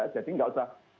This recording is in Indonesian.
jadi nggak usah